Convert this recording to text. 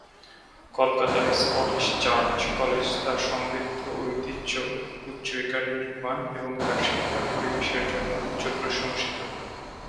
কলকাতার Scottish Church College তার সমৃদ্ধ ঐতিহ্য, উচ্চ একাডেমিক মান এবং তার শিক্ষার পরিবেশের জন্য উচ্চ প্রশংসিত।